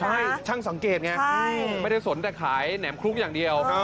ใช่ช่างสังเกตไงไม่ได้สนแต่ขายแหนมคลุ้งอย่างเดียว